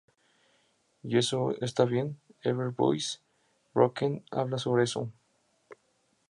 Y eso está bien, "Everybody's Broken" habla sobre eso.